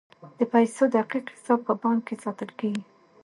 د پیسو دقیق حساب په بانک کې ساتل کیږي.